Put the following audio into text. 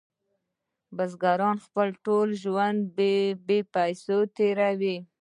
بزګرانو خپل ټول ژوند بې پیسو تیروه.